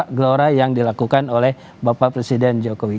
gelora yang dilakukan oleh bapak presiden jokowi